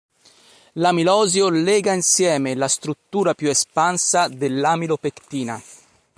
L'amilosio lega insieme la struttura più espansa dell'amilopectina.